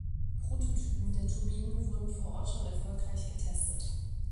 Prototypen der Turbinen wurden vor Ort schon erfolgreich getestet.